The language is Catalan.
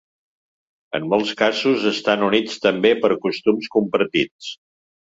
En molts casos, estan units també per costums compartits.